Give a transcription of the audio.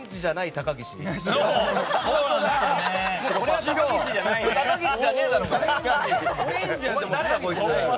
高岸じゃねえだろ、それ！